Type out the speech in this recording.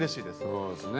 そうですね。